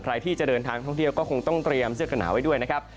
ใครที่จะเดินทางท่องเที่ยวก็คงต้องเตรียมเสื้อกันหนาวไว้ด้วยนะครับ